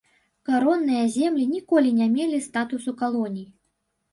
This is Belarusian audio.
Каронныя землі ніколі не мелі статусу калоній.